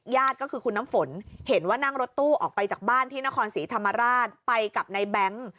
ญาติก็คือคุณน้ำฝนเห็นว่านั่งรถตู้ออกไปจากบ้านที่นครศรีธรรมราชไปกับในแบงค์